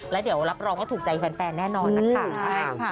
แล้วเดี๋ยวรับรองว่าถูกใจแฟนแน่นอนนะคะ